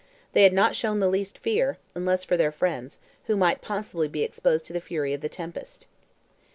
They had not shown the least fear, unless for their friends, who might possibly be exposed to the fury of the tempest."